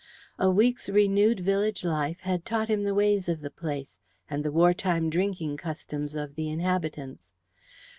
A week's renewed village life had taught him the ways of the place and the war time drinking customs of the inhabitants.